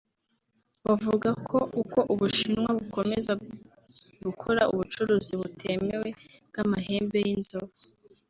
bavuga ko uko u Bushinwa bukomeza gukora ubucuruzi butemewe bw’amahembe y’inzovu